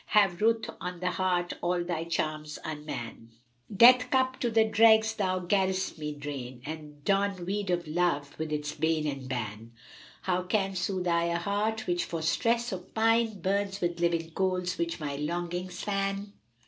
* Have ruth on the heart all thy charms unman: Death cup to the dregs thou garrest me drain * And don weed of Love with its bane and ban: How can soothe I a heart which for stress of pine * Burns with living coals which my longings fan?"